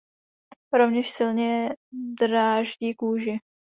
Rovněž silně dráždí kůži.